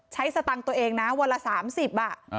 ใช้สตังต์ตัวเองนะวันละสามสิบอ่ะอ่า